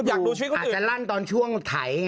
อาจจะดูตอนช่วงไถ